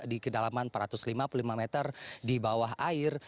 di kedalaman empat ratus lima puluh lima meter di bawah air